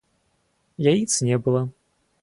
Яиц не было.